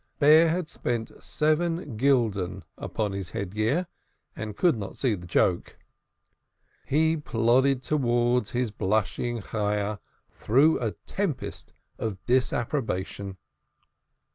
Bear had spent several gulden upon his head gear, and could not see the joke. He plodded towards his blushing Chayah through a tempest of disapprobation.